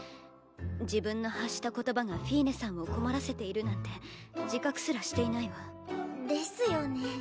自分の発した言葉がフィーネさんを困らせているなんて自覚すらしていないわ。ですよね。